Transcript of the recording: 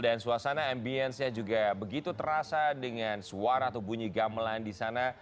dan suasana ambiensnya juga begitu terasa dengan suara atau bunyi gamelan di sana